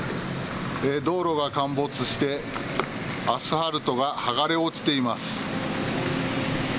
道路が陥没してアスファルトが剥がれ落ちています。